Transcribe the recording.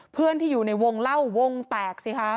เพื่อนที่อยู่ในวงเล่าวงแตกสิคะ